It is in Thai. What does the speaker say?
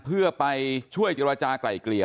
เพื่อไปช่วยราชาไก่เกลี่ย